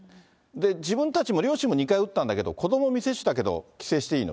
自分たちも両親も２回打ったんだけど、子ども未接種だけど帰省していいの？